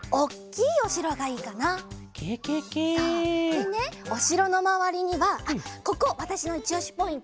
でねおしろのまわりにはあっここわたしのいちおしポイント。